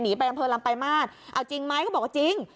ไปอำเภอลำปลายมาสเอาจริงไหมก็บอกว่าจริง